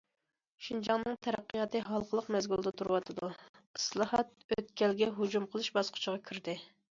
شىنجاڭنىڭ تەرەققىياتى ھالقىلىق مەزگىلدە تۇرۇۋاتىدۇ، ئىسلاھات ئۆتكەلگە ھۇجۇم قىلىش باسقۇچىغا كىردى.